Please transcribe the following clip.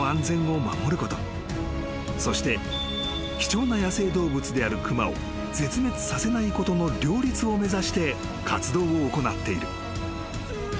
［そして貴重な野生動物である熊を絶滅させないことの両立を目指して活動を行っている］